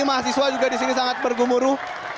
mahasiswa juga di sini sangat bergemuruh